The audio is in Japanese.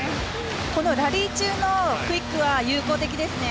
このラリー中のクイックは有効的ですね。